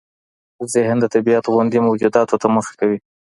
ذهن د طبيعت غوندې موجوداتو ته مخه کوي.